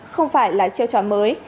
không phải là chiêu trò mới